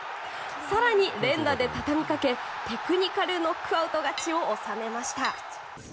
更に、連打で畳みかけテクニカルノックアウト勝ちを収めました。